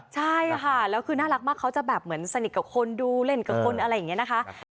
ใช่ค่ะเขาจะแบบสนิทกับคนดูเล่นกับคนอะไรอย่างนี้นะคะ